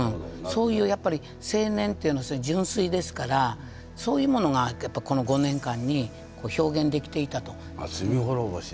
そういうやっぱり青年っていうのは純粋ですからそういうものがこの５年間に表現できていたと。